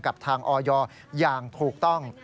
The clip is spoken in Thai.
กับทางออยอย่างถูกต้อง